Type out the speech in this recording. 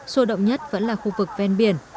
số động nhất vẫn là khu vực ven biển